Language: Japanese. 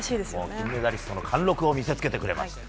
金メダルの貫録を見せつけてくれました。